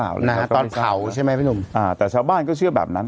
แล้วนครเขาใช่ไหมหนุ่มอ่าแต่ชาวบ้านก็เชื่อแบบนั้น